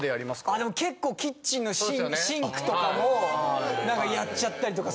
あでも結構キッチンのシンクとかもやっちゃったりとか。